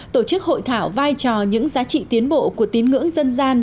tổ chức hội thảo vai trò những giá trị tiến bộ của tín ngưỡng dân gian